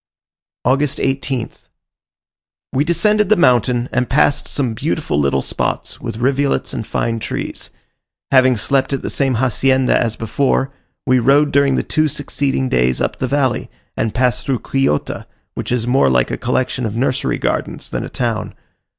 August 18th. We descended the mountain, and passed some beautiful little spots, with rivulets and fine trees. Having slept at the same hacienda as before, we rode during the two succeeding days up the valley, and passed through Quillota, which is more like a collection of nursery gardens than a town.